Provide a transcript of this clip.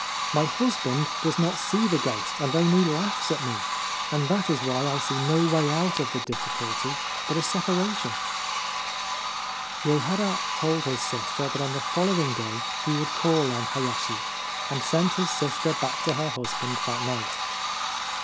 My husband does not see the ghost, and only laughs at me ; and that is why I see no way out of the difficulty but a separation.' Yehara told his sister that on the following day he would call on Hayashi, and sent his sister back to her husband that night.